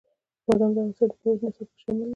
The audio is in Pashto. بادام د افغانستان د پوهنې نصاب کې شامل دي.